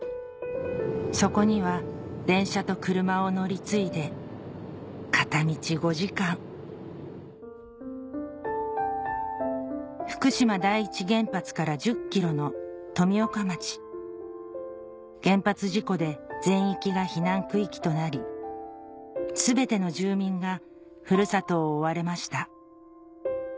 そこには電車と車を乗り継いで片道５時間福島第一原発から１０ｋｍの富岡町原発事故で全域が避難区域となり全ての住民が故郷を追われました